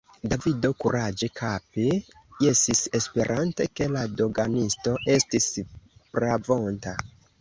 Davido kuraĝe kape jesis, esperante, ke la doganisto estis pravonta.